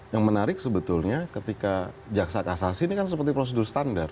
yang menarik sebetulnya ketika jaksa kasasi ini kan seperti prosedur standar